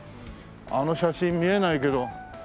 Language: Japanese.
あの写真見えないけど。